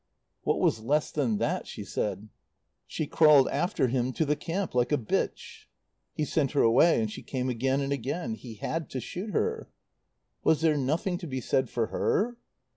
"What was 'less than that'?" she said. "She crawled after him to the camp, like a bitch. "He sent her away and she came again and again. He had to shoot her." "Was there nothing to be said for her?"